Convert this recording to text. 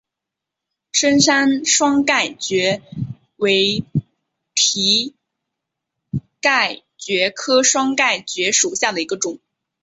深山双盖蕨为蹄盖蕨科双盖蕨属下的一个种。